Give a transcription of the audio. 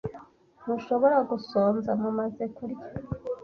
Ntushobora gusonza. Mumaze kurya.